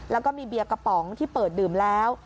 แล้วก็มีเบียร์กระป๋องที่เปิดดื่มแล้ว